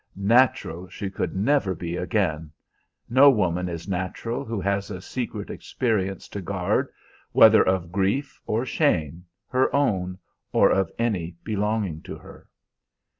Natural she could never be again. No woman is natural who has a secret experience to guard, whether of grief or shame, her own or of any belonging to her.